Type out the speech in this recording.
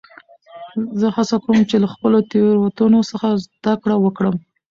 زه هڅه کوم، چي له خپلو تیروتنو څخه زدکړم وکړم.